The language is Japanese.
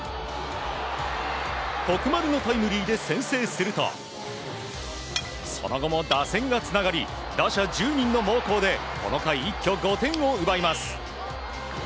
徳丸のタイムリーで先制するとその後も打線がつながり打者１０人の猛攻でこの回、一挙５点を奪います。